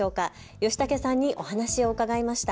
ヨシタケさんにお話を伺いました。